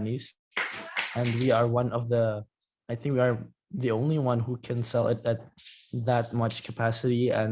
dan kami adalah satu dari saya pikir kami adalah satu satunya yang bisa membelinya dengan begitu banyak kapasitas